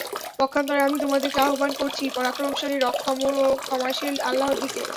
পক্ষান্তরে আমি তোমাদেরকে আহ্বান করছি পরাক্রমশালী ক্ষমাশীল আল্লাহর দিকে।